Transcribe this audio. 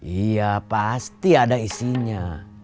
iya pasti ada isinya